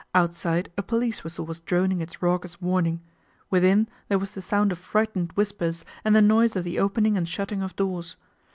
Outside a police whistle was droning its raucous warning ; within there was the sound of frightened whispers and the noise of the opening and shutting of doors.